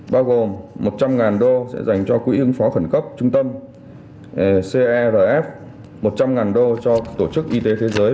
bao gồm một trăm linh đô sẽ dành cho quỹ ứng phó khẩn cấp trung tâm crf một trăm linh đô cho tổ chức y tế thế giới